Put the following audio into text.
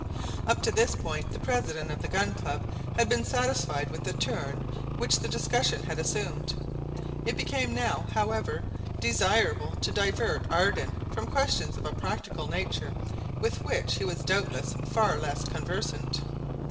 Up to this point the president of the Gun Club had been satisfied with the turn which the discussion had assumed. It became now, however, desirable to divert Ardan from questions of a practical nature, with which he was doubtless far less conversant.